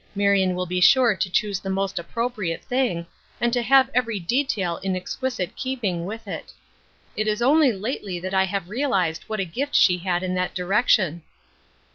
Marion will be sure to choose the most appropriate thing, and to have every detail in exquisite keeping with it. It is only lately that I have realized what a gift she had in that direction."